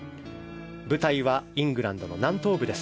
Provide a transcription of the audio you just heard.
舞台はイングランドの南東部です。